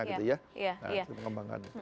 gitu ya nah itu pengembangannya